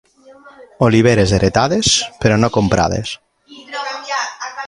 Oliveres heretades, però no comprades.